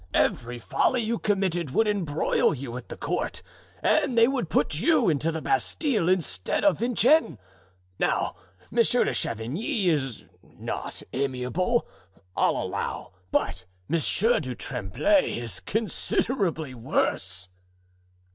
Every folly you committed would embroil you with the court and they would put you into the Bastile, instead of Vincennes. Now, Monsieur de Chavigny is not amiable, I allow, but Monsieur du Tremblay is considerably worse."